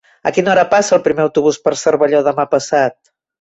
A quina hora passa el primer autobús per Cervelló demà passat?